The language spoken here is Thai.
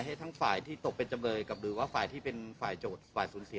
ให้ทั้งฝ่ายที่ตกเป็นจำเลยกับหรือว่าฝ่ายที่เป็นฝ่ายโจทย์ฝ่ายสูญเสีย